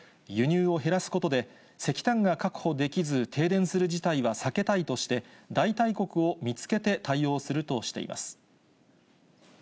輸入を減らすことで、石炭が確保できず、停電する事態は避けたいとして、代替国を見つけて対応するとしています。